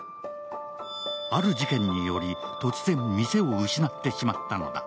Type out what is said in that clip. ある事件により、突然、店を失ってしまったのだ。